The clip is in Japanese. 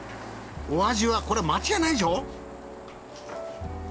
お味はこれ間違いないでしょ。